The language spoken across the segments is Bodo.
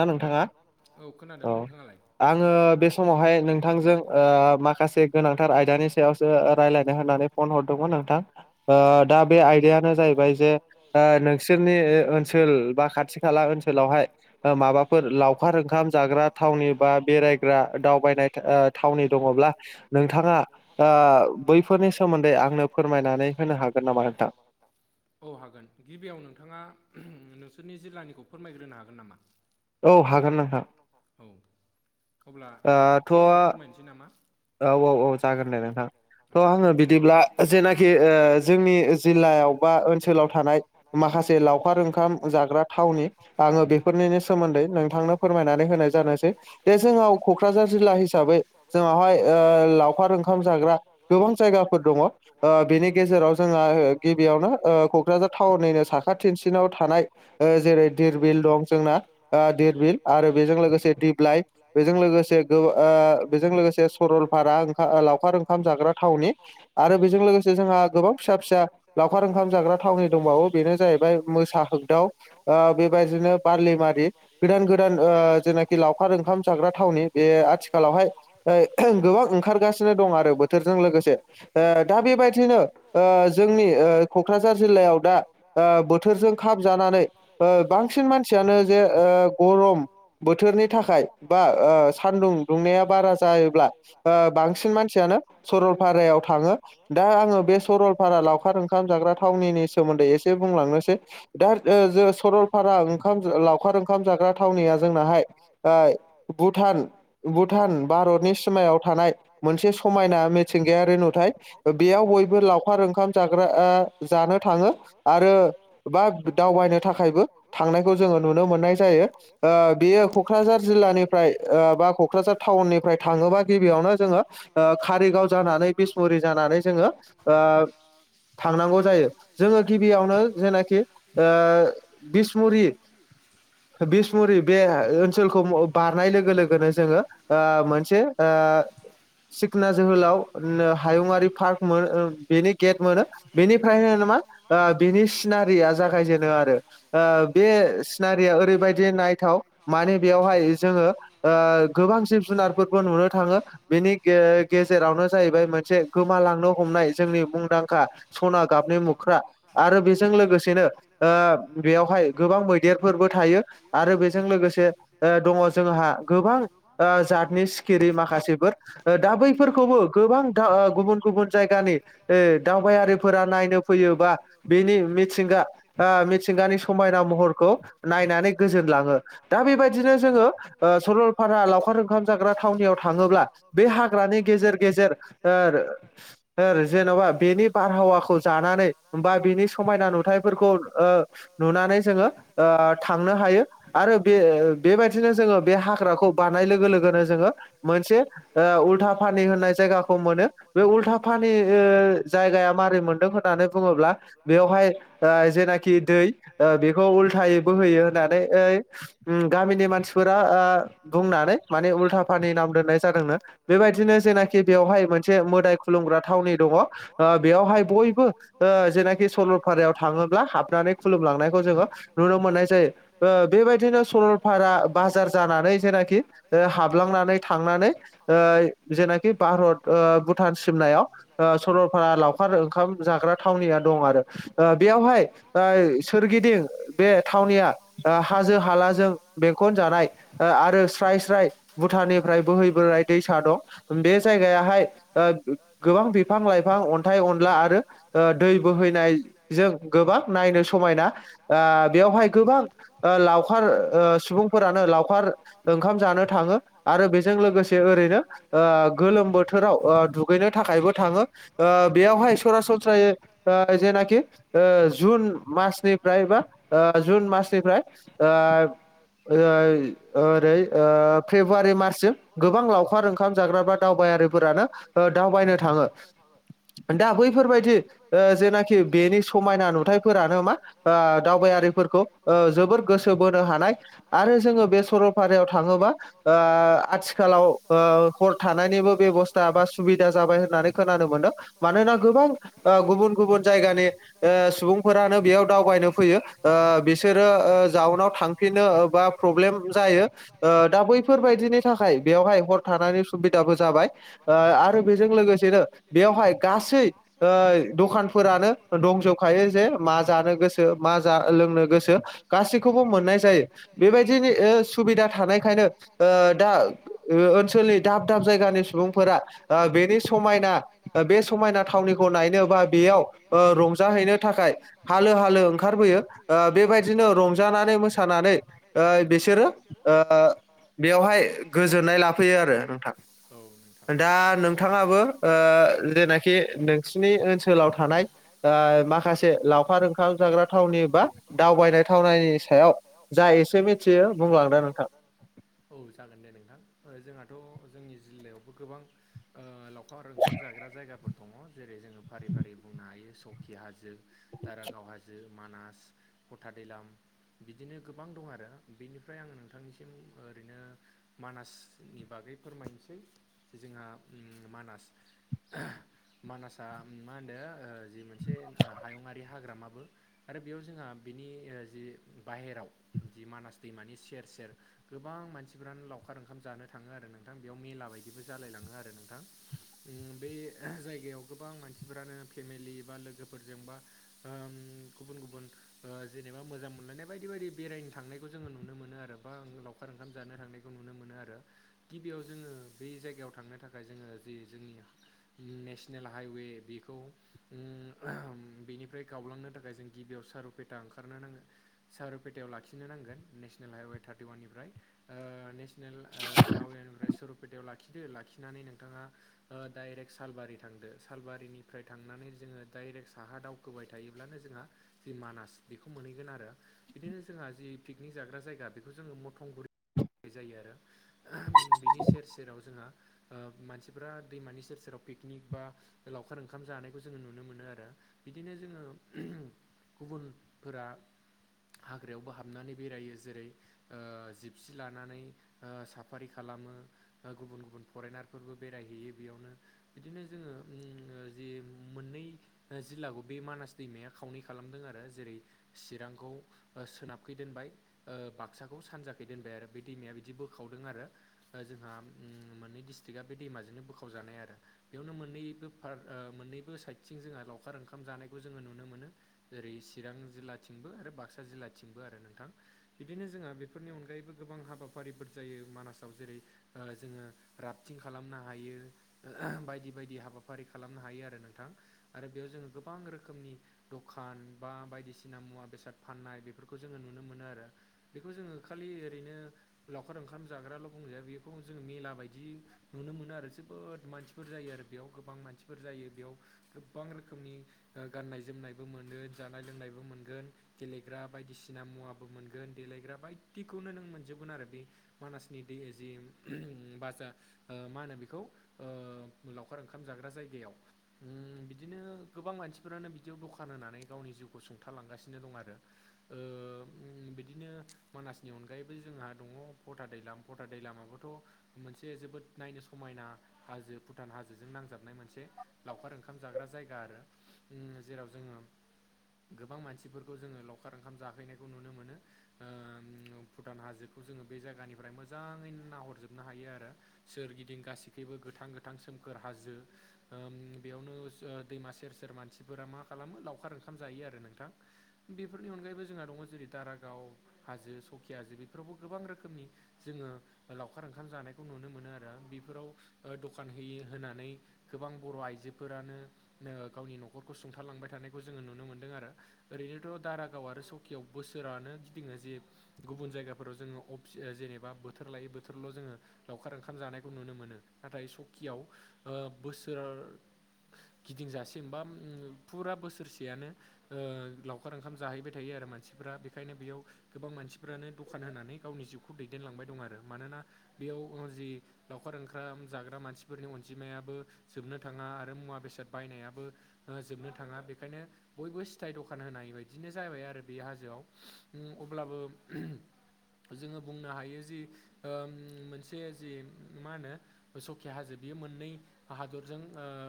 ना नोंथाङा। औ खोनादों नोंथाङालाय। आङो बे समावहाय नोंथांजों माखासे गोनांथार आयदानि सायावसो रायज्लायनो होननानै। फन हरदोंमोन नोंथां दा बे आयदायानो जाहैबाय जे नोंसोरनि ओनसोल। बा खाथि खाला ओनसोलावहाय। माबाफोर लावखार ओंखाम जाग्रा थावनि बा बेरायग्रा दावबायनाय थावनि दङब्ला नोंथाङा ओ बैफोरनि सोमोन्दै आंनो फोरमायनानै होनो हागोन नामा नोंथां औ हागोन गिबियाव नोंथाङा नोंसोरनि जिल्लानिखौ फोरमायग्रोनो हागोन नामा औ हागोन औ अब्ला आं एसे उनाव फोरमायनोसै नामा औ औ औ जागोनदे नोंथां थ आङो बिदिब्ला जेनाखि जोंनि जिल्लायाव बा ओनसोलाव थानाय माखासे लावखार ओंखाम जाग्रा थावनि आङो बेफोरनिनो सोमोन्दै नोंथांनो फोरमायनानै होनाय जानोसै बे जोंनाव कक्राझार जिल्ला हिसाबै जोंनावहाय ओ लावखार ओंखाम जाग्रा गोबां जायगाफोर दङ बेनि गेजेराव जोंहा गिबियावनो ओ कक्राझार टाउननिनो साखाथिनसिनाव थानाय ओ जेरै धीरबिल दं जोंना दधिरबिल आरो बेजों लोगोसे दिप्लइ बेजों लोगोसे गो आ बेजों लोगोसे सरलपारा ओं लावखार ओंखाम जाग्रा थावनि आरो बेजों लोगोसे जोंहा गोबां फिसा फिसा लावखार ओंखाम जाग्रा थावनि दंबावो बेनो जाहैबाय मोसा होगदाव बेबायदिनो बा मारि गोदान गोदान जेनाखि लावखार ओंखाम जाग्रा थावनि बे आथिखालावहाय गोबां ओंखारगासिनो दं आरो बोथोरजों लोगोसे ओ दा बेबायदिनो जोंनि ओ कक्राझार जिल्लायाव दा बोथोरजों खाब जानानै बांसिन मानसि यानो जे गरम बोथोरनि थाखाय बा सानदुं दुंनाया बारा जायोब्ला ओ बांसिन मानसियानो सरलपारायाव थाङो दा आङो बे सरलपारा लावखार ओं खाम जाग्रा थावनि सोमोन्दै एसे बुंलांनोसै दा ज सरलपारा ओंखाम लावखार ओंखाम जाग्रा थावनिया जोंनाहाय ओ भुटान भुटान भारतनि सिमायाव थानाय मोनसे समायना मिथिंगायारि नुथाय बेयाव बयबो लावखार ओंखाम जाग्रा जानो थाङो आरो बा दावबायनो थाखायबो थांनाय खौ जोङो नुनो मोननाय जायो बेयो कक्राझार जिल्लानिफ्राय बा कक्राझार टाउननिफ्राय थाङोबा गिबियावनो जोङो कारिगाव जानानै बिसमुरि जानानै जोङो ओ थांनांगौ जायो जोङो गिबियावनो जेनाखि बिसमु रि बिसमुरि बे ओनसोलखौ बारनाय लोगो लोगोनो जोङो ओ मोनसे ओ सिखना जोहोलाव हायुंङरि पार्क मो बिनि गेट मोनो बेनिफ्रायनो मा बिनि सिनारिया जागायजेनो आरो ओ बे सिनारिया ओरैबायदि नायथाव मानो बेयावहाय जोङो ओ गोबांसिब जुनारफोरबो नुनो थाङो बेनि गे गेजेरावनो जाहैबाय मोनसे गोमालांनो हमनाय जोंनि मुंदांखा सना गाबनि मोख्रा आरो बेजों लोगोसेनो ओ बेयावहाय गोबां मैदेरफोरबो थायो आरो बेजों लोगोसे दङ जोंहा गोबां ओ जतनि सिखिरि माखासेफोर दा बैफोरखौबो गोबां दा गुबुन गुबुन जायगानि ओ दावबायारिफोरा नायनो फैयो बा बेनि मिथिंगा आ मिथिंगानि समाय ना महर खौ नायनानै गोजोनलाङो दा बेबायदिनो जोङो ओ सरलपारा लावखार ओंखाम जाग्रा थाङोब्ला बे हाग्रानि गेजेर गेजेर ओर ओर जेनबा बेनि बारहावाखौ जानानै बा बिनि समायना नुथायाइफोरखौ ओ नुनानै जोङो ओ थांनो हायो आरो बे बेबायदिनो जोङो बे हाग्राखौ बारनाय लोगो लोगोनो जोङो मोनसे ओ उल्था पानि होननाय जायगाखौ मोनो बे उल्था पानि ओ जायगाया मारै मोनदों होननानै बुङोब्ला बेवहाय जेनाखि दै बेखौ उल्थायै बोहोयो होननानै गामिनि मानसिफोरा बुंनानै माने उल्था नि नाम दोननाय जादोंनो बेबायदिनो जेनाखि बेवहाय मोनसे मोदाय खुलुमग्रा थावनि दङ। बेयावहाय बयबो जेनाखि सरलपारायाव थाङोब्ला हाबनानै खुलुमलांनायखौ जोङो नुनो मोननाय जायो। बेबायदिनो सरलपारा बाजार जानानै जेनाखि हाब हाबलांनानै थांनानै जेनाखि भारत भुटान सिमनायाव सरलपारा लावखार ओंखाम जाग्रा थावनिया दं आरो बेयावहाय सोर गिदिं बे थावनिया हाजो हालाजों बेंखनजानाय आरो स्राय स्राय भुटाननिफ्राय बोहै बोनाय दैसा दं बे जायगायाहाय गोबां बिफां-लाइफां अन्थाइ अनला आरो दै बोहैनायजों गोबां नायनो समायना बेवहाय गोबां लावखार सुबुंफोरानो लावखार ओंखाम जानो थाङो। आरो बेजों लोगोसे ओरैनो गोलोम बोथोराव दुगैनो थाखायबो थाङो। बेयावहाय सरासनस्रायै जेनाखि जुन मासनिफ्राय बा जुन मासनिफ्राय ओ ओ ओ फेब्रुवारि मार्चसिम गोबां लावखार ओंखाम जाग्राफ्रा दावबायारिफोरानो दावबायनो थाङो दा बैफोरबायदि जेनाखि बेनि समायना नुथाइफोरानो मा दावबायारिफोरखौ जोबोर गोसो बोनो हानाय आरो जोंङो बे सरलपारायाव थांङोबा आथिखालाव हर थानायनिबो बेब'स्था बा सुबिदा जाबाय होननानै खोनानो मोनो मानोना गोबां गुबुन गुबुन जायगानि सुबुंफोरानो बेयाव दावबायनो फैयो बिसोरो जाउनाव थांफिनो बा प्रब्लेम जायो दा बै बेफोरबायदिनि थाखाय बेयावहाय हर थानायनि सुबिदाबो जाबाय। आरो बेजों लोगोसेनो बेयावहाय गासै दखानफोरानो दंजोबखायो जे मा जानो गोसो मा जा लोंनो गोसो गासैखौबो मोननाय जायो बेबायदिनो सुबिदा थानायखायनो दा ओनसोलनि दाब दाब जायगानि सुबुंफोरा बेनि समायना बे समायना थावनिखौ नायनो बा बेयाव रंजाहैनो थाखाय हालो हालो ओंखारबोयो। बेबायदिनो रंजानानै मोसानानै बिसोरो बेयावहाय गोजोननाय लाफैयो आरो नोंथां दा नोंथांङाबो जेनाखि नोंसिनि ओनसोलाव थानाय माखासे लावखार ओंखाम जाग्रा थावनि बा दावबायनाय थावनि सायाव जा एसे मिथियो बुंलांदो नोंथां [inaudible] औ जागोन दे नोंथां जोंहाथ' जोंनि जिल्लायावबो गोबां हर ओंखाम जाग्रा जायगा दङो जेरै जोंङो फारि फारि बुंनो हायो सकि हाजो दारागाव हाजो हाजो मानास खथा दैलाम बिदिनो गोबां दं आरो बेनिफ्राय आंङो नोंथांनिसिम ओरैनो मानासनि बागै फोरमायनोसै जोंहा मानास मानासआ मा होनो जि मोनसे हायुंआारि हाग्रामाबो आरो बेयाव जोंहा बिनि जि बाहेराव जि मानास दैमानि सेर सेर गोबां मानसिफ्रानो लावखार ओंखाम जानो थांङो आरो नोंथां बेयाव मेला बायदिबो जालायलाङो आरो नोंथां बे जायगायाव गोबां मानसिफोरानो फेमिलि बा लोगोफोरजोंबा गुबुन गुबुन जेनेबा मोजां मोनलायनाय बायदि बायदि बेरायनो थांनायखौ जोंङो नुनो मोनो आरो बा खार ओंखाम जानो थांनायखौ नुनो मोनो आरो गिबियाव जोंङो बे जायगायाव थांनो थाखाय जोंङो जे जोंनि नेसनेल हाइवे बेखौ उम बेनिफ्राय गावलांनो थाखाय जों गिबियाव सारुपेटा ओंखारनो नांगोन साहारुपेटायाव लाखिनो नांगोन नेसनेल हाइवे थार्टिवाननिफ्राय ओ ने नेल ओ हावेनिफ्राय सुरूपेटायाव लाखिदो लाखिनानै नोंथाङा ओ डाइरेक्ट सालबारि थांदो सालबारिनिफ्राय थांनानै जोङो डाइरेक्ट साहा दाव खोबाय थायोब्लानो जोंहा जि मानास बेखौ मोनहैगोन आरो बिदिनो जोंहा जि पिकनिक जाग्रा जायगा बेखौ जोङो मथंगुरि नाय जायो आरो बिनि सेर सेराव जोंहा मानसिफोरा दैमानि सेर सेराव पिकनिक बा लावखार ओंखाम जानायखौ जोङो नुनो मोनो आरो बिदिनो जोङो गुबुनफोरा हाग्रायावबो हाबनानै बेरायो जेरै ओ जिबसि लानानै ओ साफारि खालामो ओ गुबुन गुबुन फरेनारफोरबो बेरायहैयो बेयावनो बिदिनो जोङो जे मोननै जिल्लाखौ बे मानास दैमाया खावनै खालामदों आरो जेरै चिरांखौ सोनाबखै दोनबाय ओ बाक्साखौ सानजाखै दोनबाय आरो बे दैमाया बिदि बोखावदों आरो जोंहा मोननै डिस्ट्रिकटआ बे दैमाजोंनो बोखावजानाय आरो बेयावनो मोननैबो पार ओ मोन्नैबो साइडथिं जोंहा लावखार ओंखाम जानायखौ जोङो नुनो मोनो जेरै चिरां जिल्लाथिंबो आरो बाक्सा जिल्लाथिंबो आरो नोंथां बिदिनो जोंहा बेफोरनि अनगायैबो गोबां हाबाफारिफोर जायो मानासाव जेरै ओ जोङो राफटिं खालामनो हायो बायदि बायदि हाबाफारि खालामनो हायो आरो नोंथां आरो बेयाव जों गोबां रोखोमनि खान बा बायदिसिना मुवा बेसाद फाननाय बेफोरखौ जोङो नुनो मोनो आरो बेखौ जोङो खालि ओरैनो लावखार ओंखाम जाग्राल' बुंजाया बेखौ जोङो मेला बायदि नुनो मोनो आरो जोबोद मानसिफोर जायो आरो बेयाव गोबां मानसिफोर जायो बेयाव गोबां रोखोमनि गाननाय जोमनायबो मोनो जानाय लोंनायबो मोनगोन गेलेग्रा बायदिसिना मुवाबो मोनगोन देलायग्रा बायदिखौनो नों मोनजोबगोन आरो बे मानासनि दै जि बाजार ओ मा होनो बेखौ ओ लावखार ओंखाम जाग्रा जायगायाव उम बिदिनो गोबां मानसिफोरानो बिदियाव दखा खान होनानै गावनि जिउखौ सुंथालांगासिनो दं आरो ओ बिदिनो मानासनि अनगायैबो जोंहा दङ फथा दैलाम गथा दै लामाबोथ' मोनसे जोबोद नायनो समायना हाजो भुटान हाजोजों नांजाबनाय मोनसे लावखार ओंखाम जाग्रा जायगा आरो जेराव जोङो गोबां मानसिफोरखौ जोङो लावखार ओंखाम जाहैनायखौ नुनो मोनो ओ भुटान हाजोखौ जोङो बे जायगानिफ्राय मोजाङैनो नाहरजोबनो हायो आरो सोरगिदिं गासिखैबो गोथां गोथां सोमखोर हाजो ओम बेयावनो दैमा सेर सेर मानसिफोरा मा खालामो लावखार ओंखाम जायो आरो नोंथां बेफोरनि अनगायैबो जोंहा दङ जेरै दारागाव हाजो सकि हाजो बेफोरावबो गोबां रोखोमनि जोङो लावखार ओंखाम जानायखौ नुनो मोनो आरो बेफोराव दखान होयि होनानै गोबां बर' आइजोफोरानो गावनि न'खरखौ सुंथालांबाय थानायखौ जोङो नुनो मोनदों आरो ओरैनोथ' दारागाव आरो सकियाव बोसोरानो गिदिङो जे गुबुन जायगाफोराव जोङो अ जेनेबा बोथोर लायो बोथोरल' जोङो लावखार ओंखाम जानायखौ नुनो मोनो नाथाय सकियाव ओ बोसोर गिदिंजासेम बा फुरा बोसोरसेयानो लावखार ओंखाम जाहैबाय थायो आरो मानसिफ्रा बेखायनो बेयाव गोबां मानसिफ्रानो दखान होनानै गावनि जिउखौ खौ दैदेनलांबाय दं आरो मानोना बेयाव जि लावखार ओंखाम जाग्रा मानसिफोरनि अनजिमायाबो जोबनो थाङा आरो मुवा बेसाद बायनायाबो जोबनो थाङा बेखायनो बयबो सिथाइ दखान होनाय बायदिनो जाबाय आरो बे हाजोआव अब्लाबो जोङो बुंनो हायो जि मोनसे जि मा होनो सखि हाजो बियो मोननै हादरजों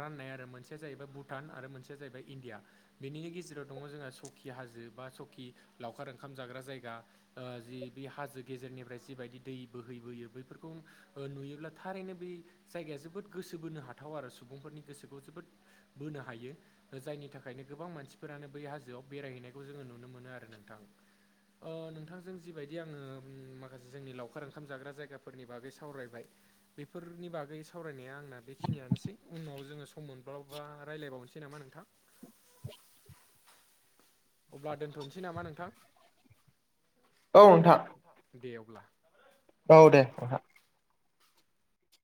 राननाय आरो मोनसेया जाहैबाय भुटान आरो मोनसे या जाहैबाय इण्डिया बेनिनि गेजेराव दङ जोंहा सखि हाजो बा सखि लावखार ओंखाम जाग्रा जायगा ओ जि बे हाजो गेजेरनिफ्राय जिबायदि दै बोहैबोयो बैफोरखौ नुयोब्ला थारैनो बे जायगाया जोबोद गोसो बोनो हाथाव आरो सुबुंफोरनि गोसोखौ जोबोद बोनो हायो जायनि थाखायनो गोबां मानसिफोरानो बै हाजोआव बेरायहैनायखौ जोङो नुनो मोनो आरो नोंथां ओ नोंथांजों जिबायदि आङो माखासे जोंनि लावखार ओंखाम जाग्रा जायगाफोरनि बागै सावरायबाय बेफोरनि बागै सावरायनाया आं जोंना बेखिनियानोसै उनाव जोङो सम मोनब्लावबा रालायबावनोसै नामा नों [inaudible] अब्ला दोनथ'नोसै नामा नोंथां औ औ दे अब्ला औ दे नोंथां